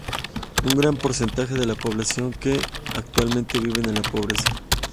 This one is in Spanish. Un gran porcentaje de la población que actualmente vive en la pobreza.